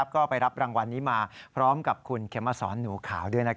ก็ไปรับรางวัลนี้มาพร้อมกับคุณเขมสอนหนูขาวด้วย